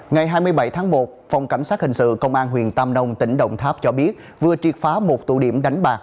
ngày hai mươi bảy tháng một phòng cảnh sát hình sự công an huyện tam đông tỉnh đồng tháp cho biết vừa triệt phá một tụ điểm đánh bạc